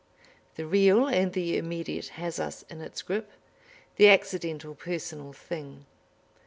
The real and the immediate has us in its grip, the accidental personal thing.